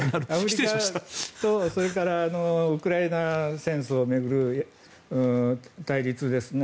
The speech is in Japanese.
アフリカとウクライナ戦争を巡る対立ですね。